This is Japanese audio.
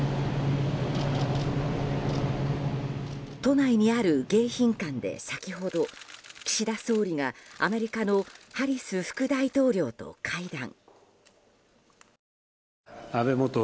都内にある迎賓館で先ほど岸田総理がアメリカのハリス副大統領と会談。